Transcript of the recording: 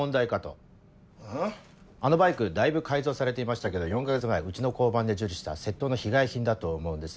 あのバイクだいぶ改造されていましたけど４か月前うちの交番で受理した窃盗の被害品だと思うんです。